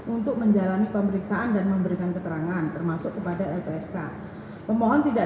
untuk menjalani pemeriksaan dan memberikan keterangan termasuk kepada lpsk pemohon tidak